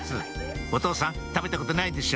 お父さん食べたことないでしょ